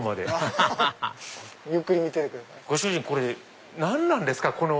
ハハハハご主人これ何なんですか？